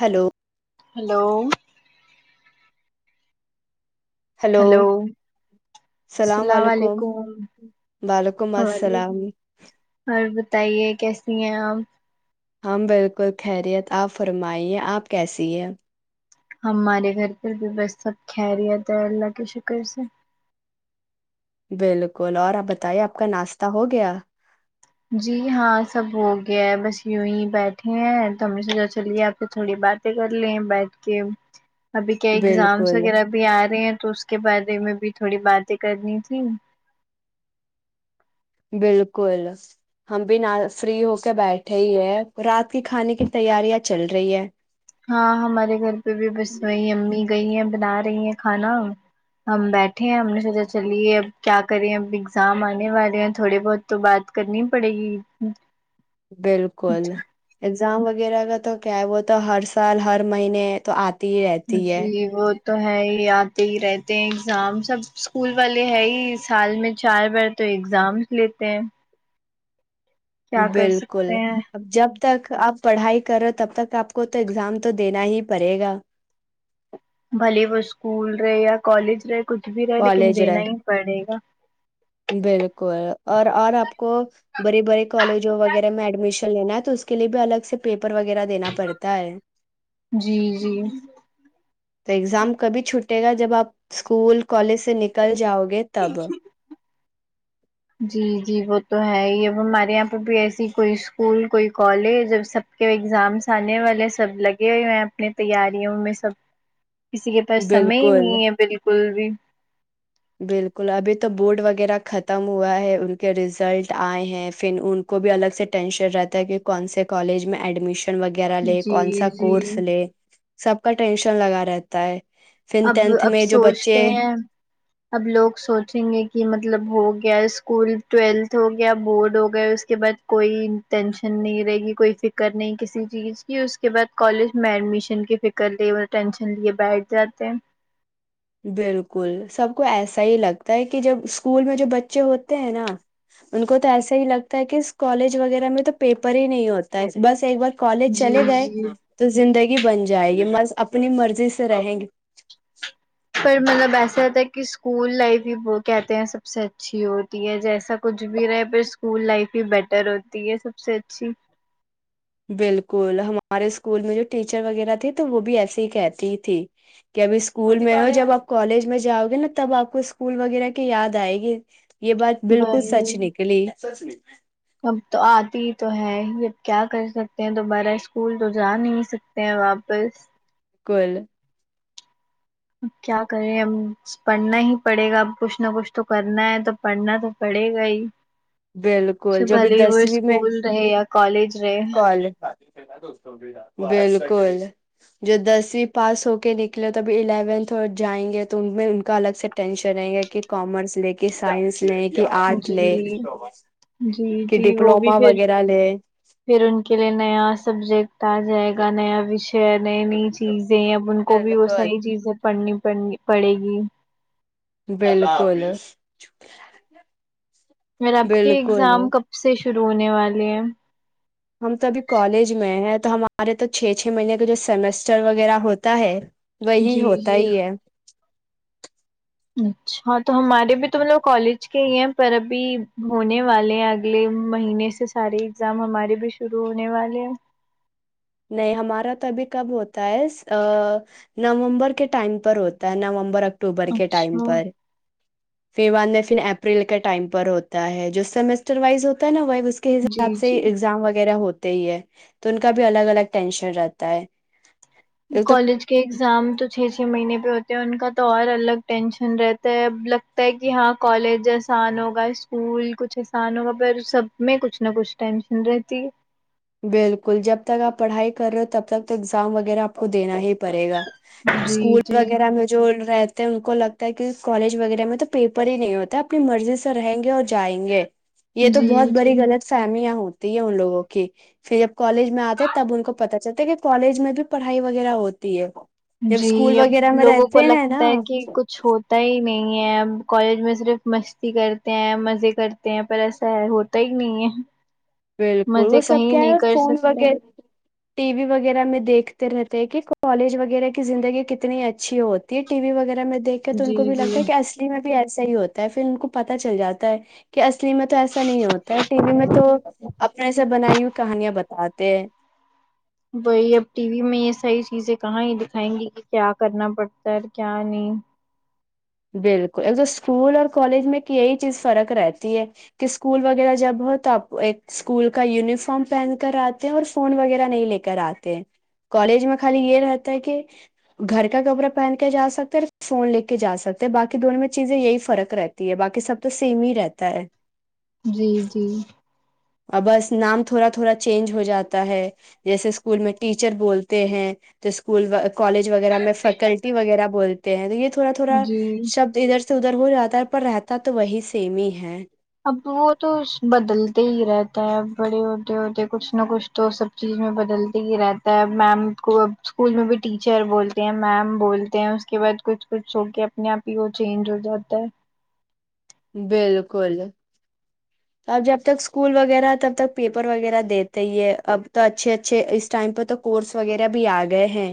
Hello hello hello السلام علیکم وعلیکم السلام اور بتائیے کیس [inaudible] ہماں بالکل خیریت آپ فرمائیے آپ کیسی ہیں ہمارے گھر بھی بس سب کہرییات ہے اللہ کے شکر سے بالکل اور آپ بتائیے آپ کا ناشہ ہو گیا جی ہاں سب ہو گیا ہے بس یوں ہی بیٹھے ہیں تو ہم نے سوچا چلیے آپ کے تھوڑی باتیں کر لیں بیٹھ کے ابھی کیا اگزامس بالکل وغیرہ بھی آ رہے ہیں تو اس کے بارے میں بھی تھوڑی باتیں کرنی تھی بالکل ہم بھی نہ فری ہو کے بیٹھے ہی ہے رات کی کھانے کی تیاریاں چل رہی ہے ہاں ہمارے گھر پہ بھی بس وہی امی گئی ہے بنا رہی ہیں کھانا ہم بیٹھے ہیں ہم نے سوچا چلیے اب کیا کرے ہیں اب ایگزام آنے والے ہیں تھوڑے بہت تو بات کرنی پڑے گی بالکل اگزام وغیرہ کا تو کیا ہے وہ تو ہر سال ہر مہینے تو آتے رہتی ہے جی وہ تو ہے ہی آتے ہی رہتے ہیں ایگزام سب اسکول والے ہے ہی سال میں چار بار تو ایگزام لیتے ہیں کیا کر بالکل سکتے ہیں اب جب تک آپ پڑھائی کر رہے ہو تب تک آپ کو تو ایگزام تو دینا ہی پڑے گا بلے وہ اسکول رہے یا کالج رہ کالج رہے بالکل اور اور آپ کو بڑی بڑے کالجوں وغیرہ میں ایڈمیشن لینا ہے تو اس کےے بھی الگ سے پیپر پر وغیرہ دینا پڑتا ہے جی جی تو ایگزام کبھی چھٹے گا جب آپ اسکول کالج سے نکل جاؤ گے تب جی جی وہ تو ہے ہی اب ہمارے یہاں پہ بھی ایسی کوئی اسکول کوئی کالج جب سب کے ایگزامس آنے والے سب لگے ہوئے ہیں اپنی تیاریوں میں سب کسی کے پاس سمے ہی بالکل نہیں ہے بالکل بھی بالکل ابھی تو بورڈ وغیرہ ختم ہوا ہے ان کے ریزلٹ آئے ہیں پھر ان کو بھی الگ سے ٹینشن رہتا ہے کہ کون سے کالج میں ایڈمیشن وغیرہ لے کون سا جی کورس جی لے سب کا ٹینشن لگا رہتا ہے فن اب ٹینتھ اب میں جو بچے سوچتے ہیں اب لوگ سوچیں گے کہ مطلب ہو گیا اسکول ٹویلتھ ہو گیا بورڈ ہو گیا اس کے بعد کوئی ٹینشن نہیں رہے گی کوئی فکر نہیں کسی چیز کی اس کے بعد کالج میں ایڈمیشن کی فکر لے ٹینشن لیے بیٹھ جات ت بالکل سب کو ایسا ہی لگتا ہے کہ جب اسکول میں جو بچے ہوتے ہیں نا ان کو تو ایسا ہی لگتا ہے کہ کالج وغیرہ میں تو پیپر ہی نہیں ہوتا ہے بس ایک بار کالج جی چلے گئے جی تو زندگی بن جائے گی مض اپنی مرضی سے رہیں گی پر مطلب ایسا ہوتا ہے کہ اسکول لائف ہی وہ کہتے ہیں سب سے اچھی ہوتی ہے جیسا کچھ بھی رہے پر اسکول لائف ہی بیٹر ہوتی ہے سب سے اچھی بالکل ہمارے اسکول میں جو ٹیچر وغیرہ تھے تو وہ بھی ایسے ہی کہتی تھی کہ ابھی اسکول میں ہو جب آپ کالج میں جاؤ گے نا تب آپ کو اسکول وغیرہ کی یاد آئے گی یہ بات بالکل سچ وہی نکلی اب تو آتی ہی تو ہے ہی اب کیا کر سکتے ہیں دوبارہ اسکول تو جا نہیں سکتے ہیں واپس کل اب کیا کرے ا پڑھنا ہی پڑے گا اب کچھ نہ کچھ تو کرنا ہے تو پڑھنا تو پڑے گا ہی سے بالکل جو ابھی بھلے ہی وہ دسویں میں اسکول رہے یا کالج رہے کالج بالکل ج دسویں پاس ہو کے نکلے توبھی الیونتھ اور جائیں گے تو ان میں ان کا الگ سے ٹینشن رہے گا کہ کامرس لے کے سائنس میں کہ آرٹ لے جی جی کہ جی وہ بھی ڈپلوما پھر وغیرہ لے پھر ان کے لیے نیا سبجیکٹ آ جائے گا نیا وشے نئی نئی چیزیں اب ان کو بھی وہ بالکل ساری چیزیں پڑھنی پڑے گی بالکل م آب کے بالکل ایگزام کب سے شروع ہونے والے ہیں ہم تو ابھی کالج میں ہیں تو ہمارے تو چھ چھ مہینے کا جو سیمسٹر وغیرہ ہوتا ہے وہی جی ہوتا جی ہی ہے اچھا تو ہمارے بھی تو مطلب کالج کے ہی ہیں پر ابھی ہونے والے ہیں اگلے مہینے سے سارے ایگزام ہمارے بھی شروع ہونے والے ہیں نہیں ہمارا تو ابھی کب ہوتا ہے نومبر کے ٹائم پر ہوتا ہے نومبر اک اکتوبر کے ٹائم اچھا پر فی ود میں پھر اپریل کے ٹائم پر ہوتا ہے جو سیمسٹر وائز ہوتا ہے نا و اس کے جی حساب سے جی ایگزام وغیرہ ہوتا ہی ہے تو ان کا بھی الگ الگ ٹینشن رہتا ہے ایک تو کالج کے ایگزام تو چ چ مہینے پہ ہوتے ہیں ان کا تو اور الگ ٹینشن رہتا ہے اب لگتا ہے کہ ہاں کالج آسان ہوگا اسکول کچھ آسان ہوگا پ سب میں کچھ نہ کچھ ٹینشن رہتی ہے بالکل جب تک آپ پڑھائی کر رہے ہو تب تک تو ایگزام وغیرہ آپ کو دینا ہی پڑے گا جی اسکول جی وغیرہ میں جو رہتے ان کو لگتا ہے کہ کالج وغیرہ میں تو پیپر ہی نہیں ہوتا اپنی مرضی سے رہیں گے اور جائیں گے یہ تو بہت جی جی بڑی غلط فہمیاں ہووں تی ع لوگ کہ پھر جب کالج میں آتے تب ان کو پت چلتا کہ کالج میں بھی پڑھائی وغیرہ ہوتی ہے جب جی اسکول اب وغیرہ میں لوگوں کو رہتے ہیں لگتا نا ہے کہ کچھ ہوتا ہی نہیں کالج میں صرف مستی کرتے ہیں مزے کرتے ہیں پر ایسا ہے ہوتا ہی نہیں ہے بالکل مزے وہ سب کہیں کیا ہے نہیں اور کر فون و سکتے ٹی وی وغیرہ میں دیکھ رہتے ہیں کہ کالج وغیرہ کی زندگی کتنی اچھی ہوتی ہے ٹی وی وغیرہ میں دیکھیں تو ان جی کو بھی جی لگتا ہے کہ اصلی میں ایسا ہی ہوتا ہے پھر ان کو پتا چل جاتا ہے کہ ای اس میں تو ایسا نہیں ہوتا ہے ٹی وی میں تو ایسا بنائی ہوئی کہانیاں بتاتے وہی اب ٹی وی میں یہ صحیح چیزیں کہاں ہی دکھائیں گی کہ کیا کرنا پڑتا ہے کیا نہیں بالکل ایک تو اسکول اور کالج میں ایک یہی چیز فرق رہتی ہے کہ اسکول وغیرہ جب ہو تو آپ ایک اسکول کا یونیفارم پہن کر آتے ہیں اور فون وغیرہ نہیں لے کر آتے ہیں کالج میں خالی یہ رہتا ہے کہ گھر کا کپڑا پہن کے جا سکتے ہیں اور فون لے کے جا سکتے باقی دونوں میں چیزیں یہی فرق رہتی ہے باقی سب تو سیم ہی رہتا ہے جی جی اور بس نام تھوڑا تھوڑا چینج ہو جاتا ہے جیسے اسکول میں ٹیچر بولتے ہیں تو اسکول کالج وغیرہ میں فیکلٹی وغیرہ بولتے ہیں تو یہ تھوڑا تھوڑا جی شبد ادھر ادھر ہو جاتا ہے پر رہتا تو وہی سیم ہی ہے اب وہ تو بدلتے ہی رہتا ہے ا بڑے ہوتے ہوتے کچھ نہ کچھ تو سب چیز میں بدلتے ہی رہتا ہے میم کو اب اسکول میں بھی ٹیچر بولتے ہیں میم بولتے ہیں اس کے بعد کچھ کچھ س کے اپنے آپ ہی وہ چینج ہو جاتا ہے بالکل اب جب تک اسکول وغیرہ تب تک پیپر وغیرہ دیتے ہے اب تو اچھے اچھے اس ٹائم پہ تو کورس وغیرہ بھی آ گئے ہیں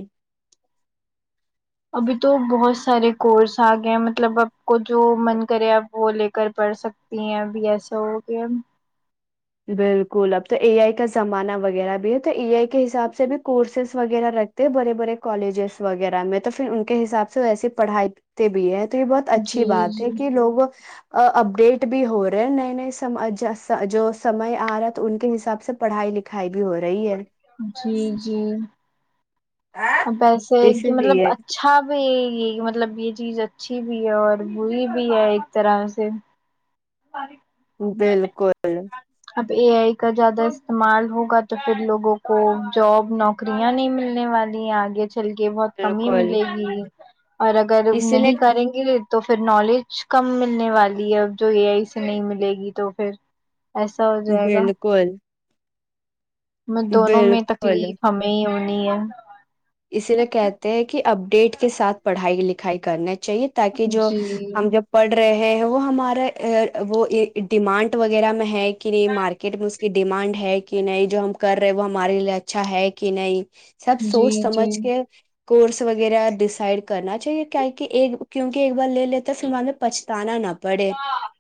ابھی تو بہت سارے کورس آ گئے ہیں مطلب آپ کو جو من کرے آپ وہ لے کر پڑھ سکتی ہیں ابھی ایسا ہو گیا بالکل اب تو اے آئی کا زمانہ وغیرہ بھی ہے تو اے آئی کے حساب سے بھی کورسز وغیرہ رکھتے بڑے بڑے کالجز وغیرہ میں تو پھر ان کے حساب سے ویس پڑھائی بھی ہے تو یہ بہت اچھی جی بات ہے جی کہ لوگ اپڈیٹ بھی ہو رہے ہیں نئے نئے سمج جو سمئے آ رہا ہے تو ان کے حساب سے پڑھائی لکھائی بھی ہو رہی ہے جی جی ہے اب ایسے کہ اسی مطلب لیے اچھا بھی یہ مطلب مطلب یہ چیز اچھی بھی ہے اور بری بھی ہے ایک طرح سے ساری بالکل اب اے آئی کا زیادہ استعمال ہوگا تو پھر لوگوں کو جاب نوکریاں نہیں ملنے والی ہیں آگے چل کے بہت کمی ہی بالکل ملے گی اور اگر اسی نہیں کریں لیے گے تو پھر نالج کم ملنے والی اب جو یہے آئی سے نہیں ملے گی تو پھر ایسا ہو جائے گا بالکل دونوں میں بالکل تکلیف ہمیں نہیں نہیں اسی لیے کہتے ہیں کہ اپڈیٹ کے ساتھ پڑھائی لکھائی کرنے چاہیے تاکہ جو جی ہم جب پڑھ رہے ہیں وہ ہمارا وہ ڈیمانٹ وغیرہ میں ہے مارکٹ م یہ ڈیمانڈ ہے کہ نہیں جو ہم کر رہے وہ ہمارے لیے اچھا ہے کہ نہیں سب جی سوچ جی سمجھ کے کورس وغیرہ ڈسائڈ کرنا چاہیے کہ کیونکہ بار لے لیتے پھر ہمیں پچھتانا نہ پڑے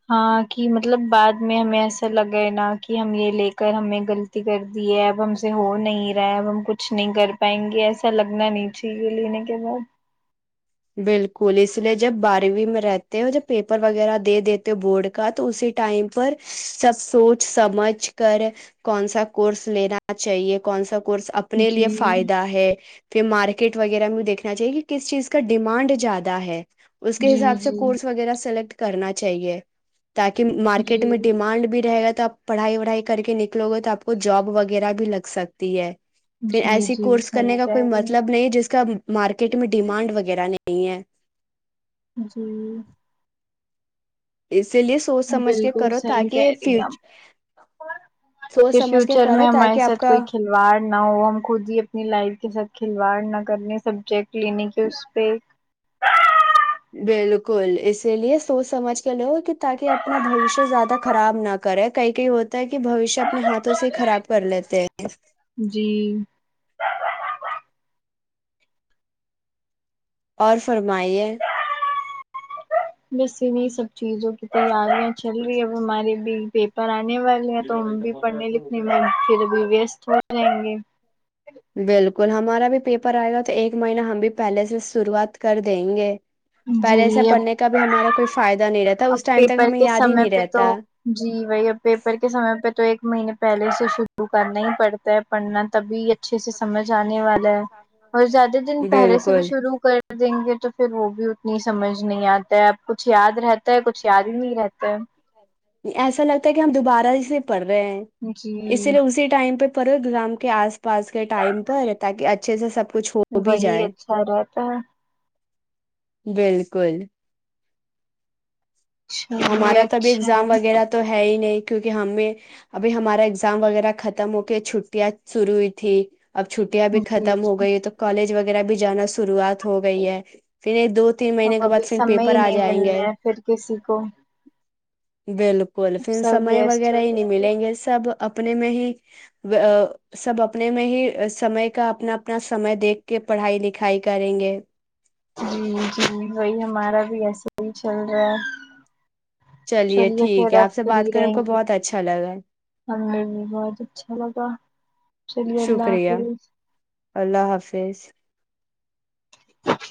ہاں کہ مطلب بعد میں ہمیں ایسا لگ گئے نا کہ ہم یہ لے کر ہمیں غلطی کر دی ہے اب ہم سے ہو نہیں رہا ہے اب ہم کچھ نہیں کر پائیں گے ایسا لگنا نہیں چاہیے لینے کے بعد بالکل اس لیے جب بارہویں میں رہتے ہو جب پیپر وغیرہ دے دیتے ہو بورڈ کا تو اسی ٹائم پر سب سوچ سمجھ کر کون سا کورس لینا چاہیے کون سا کورس اپنے لیے جی فائدہ ہے پھر مارک کٹ وغیرہ بھی دیکھ چاہیے کہ کس چیز کو کا ڈیمانڈ زیادہ ہے اس کے جی حساب سے جی کورس وغیرہ سلیکٹ کرنا چاہیے تاکہ مارکیٹ میں جی ڈیمانڈ بھی رہے گا آپ پڑھائی وڑھائی کر کے نکلو گے تو آپ کو جاب وغیرہ بھی لگ سکتی ہے پھر جی ایسی جی کورس کرنے صحیح کا کہہ کوئی رہی ہیں مطلب نہیں جس کا مارکیٹ میں ڈیمانڈ وغیرہ وغیرہ نہیں ہے جی اس بالکل صحیح کہہ رہی ہیں آ فیوچ سوچ پھر سمجھ کے فیوچر کرو میں تاکہ ہمارے آپ ساتھ کا کوئی کھلواڑ نہ ہو ہم خود ہی اپنی لائف کے ساتھ کھلواڑ نہ کرنے سبجیکٹ کلینک ہے اس پہ بالکل اسی لیے سوچ سمج کے لو کہ تاکہ اپنا بوشیہ زیادہ خراب نہ کرے کئی کئی ہوتا ہے کہ بوشیہ اپنے ہاتھوں سے ہی خراب کر لیتے ہیں جی اور فرمائیے بسے نہیں سب چیزوں کیت جا رہی ہیں چل رہی ہے بیماری بھی پیپر آ پڑنے والے ہیں تو بھی پڑھنے لکھنے میں پھر بی ہو جائیں گے بالکل ہمارا بھی پیپر آئے گا تو ایک مہین ہم بھی پہلے سے شروعات کر دیں گے پہلے ایسا جی اب پڑھنے کا بھی ہمارا کوئی فائدہ نہیں رہتا اب اس ٹائم تک پیپر ہمیں کے یاد ہی سمے نہیں پہ تو رہتا جی وہی اب پیپر کے سمے پہ تو ایک مہینے پہلے سے شروع کرنا ہی پڑتا ہے پڑھنا تبھی اچھے سے سمجھ آنے والا ہے اور زیادہ دن پہلے سے بھی بالکل شروع کر دیں گے تو پھر وہ بھی اتنی سمجھ نہیں آتا ہے اب کچھ یاد رہتا ہے کچھ یاد ہی نہیں رہتا ہے ایسا لگتا ہے کہ ہم دوبارہ ج سے پڑ رہے ہیں جی اسی لیے اسی ٹائم پہ پر ایزام کے آس پاس کے ٹائم پر تاکہ اچھے سے سب کچھ ہو بھی وہی جائے اچھا رہتا ہے بالکل تو ہمارا چلیے توبھی اچھا ہے. ایگزام وغیرہ تو ہے ہی نہیں کیونکہ ہمیں ابھی ہمارا اگزام وغیرہ ختم ہو کے چھٹیاں شروع ہوئی تھی اب چھٹیاں بھی جی ختم ہو گئی ہے تو کالج وغیرہ بھی جانا شروعات ہو گئی ہے پھر ایک دو تین اب مہینے کے ابھی بعد پھر سمے پیپر ہی آ نہیں جائیں ملنا گے ہے پھر کسی کو ہاں بالکل پھر سمے وغیرہ ہی نہیں ملیں گے سب اپنے میں ہی سب اپنے میں ہی سمے کا اپنا اپنا سمے دیکھ کے پڑھائی لکھائی کریں گے جی جی وہی ہمارا بھی ایسے چل رہا چلیے ٹھیک پھر ہے آب آپ سے فری بات کر ہم رہیں کو گے بہت اچھا لگا ہمیں بھی بہت اچھا لگا چلیے اللہ شکریہ حافظ اللہ حافظ جچ